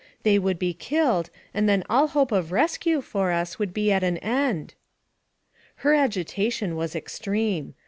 They would be killed, and then all hope of rescue for us would be at an end." Her agitation was extreme.